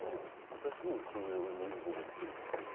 私もそのように思ってるんですけどね。